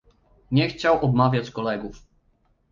"Nie chciał obmawiać kolegów."